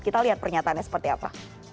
kita lihat pernyataannya seperti apa